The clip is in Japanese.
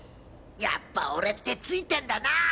やっぱ俺ってツイてんだな！